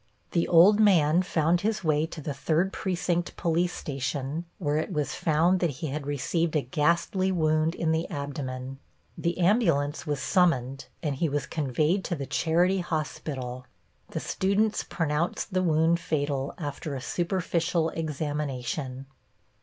The old man found his way to the Third Precinct police station, where it was found that he had received a ghastly wound in the abdomen. The ambulance was summoned and he was conveyed to the Charity Hospital. The students pronounced the wound fatal after a superficial examination.